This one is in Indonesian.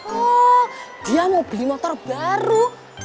oh dia mau beli motor baru